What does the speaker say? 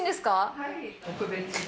はい、特別で。